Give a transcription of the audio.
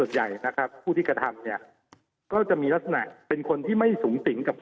สวัสดีครับสวัสดีครับสวัสดีครับส